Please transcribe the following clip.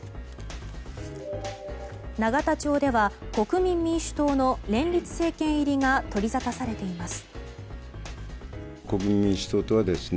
永田町では国民民主党の連立政権入りが取りざたされています。